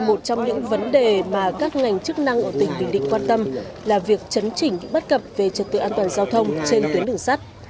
một trong những vấn đề mà các ngành chức năng ở tỉnh bình định quan tâm là việc chấn chỉnh những bất cập về trật tự an toàn giao thông trên tuyến đường sắt